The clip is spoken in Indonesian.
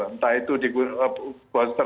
entah itu digunakan untuk booster